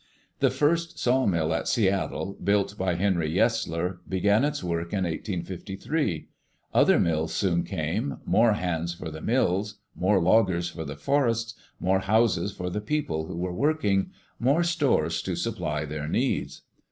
The first sawmill at Seattle, built by Henry Yesler, began its work in 1853. Other mills soon came, more hands for the mills, more loggers for the forests, more houses for the people who were working, more stores to supply their needs.